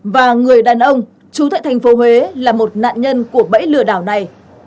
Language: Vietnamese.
và người đàn ông chú tại thành phố huế là một nạn nhân của bẫy lừa đảo này